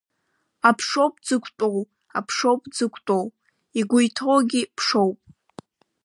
Аԥшоуп дзықәтәоу, аԥшоуп дзықәтәоу, игәы иҭоугьы ԥшоуп.